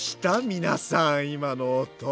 皆さん今の音。